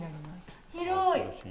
広い。